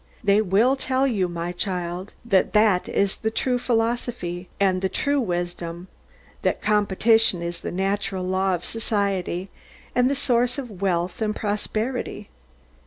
They will tell you, my child, that that is the true philosophy, and the true wisdom; that competition is the natural law of society, and the source of wealth and prosperity.